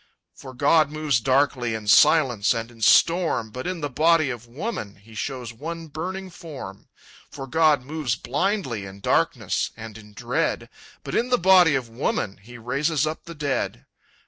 "For God moves darkly, In silence and in storm; But in the body of woman He shows one burning form. "For God moves blindly, In darkness and in dread; But in the body of woman He raises up the dead.